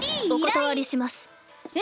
お断りします。